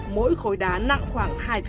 mỗi khối đá nằm trong khối đá